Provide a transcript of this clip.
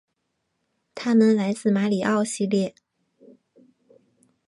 他们来自马里奥系列。